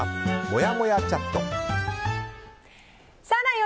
もやもやチャット。